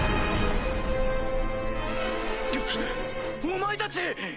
お前たち！